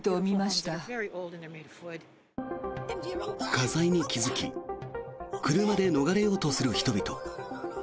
火災に気付き車で逃れようとする人々。